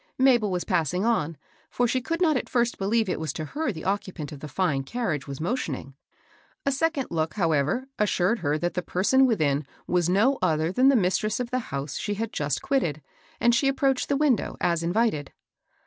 Mabel was passing on ; for she could not at first believe it was to her the occupant of the fine carriage was motioning. A second look, how ever, assured her that the person within was no other than the mistress of the house she had just quitted, and she approached the window, as in vited.